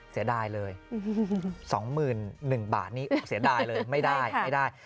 เสียดายเลย๒๑๐๐๐บาทนี่เสียดายเลยไม่ได้ไม่ได้